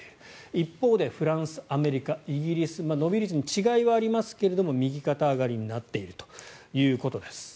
一方でフランス、アメリカ、イギリス伸び率に違いはありますが右肩上がりになっているということです。